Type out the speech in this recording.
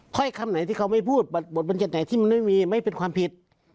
ถ้อยคำไหนที่เขาไม่พูดบทบรรยัติไหนที่มันไม่มีไม่เป็นความผิด